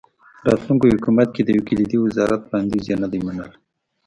راتلونکي حکومت کې د یو کلیدي وزارت وړاندیز یې نه دی منلی.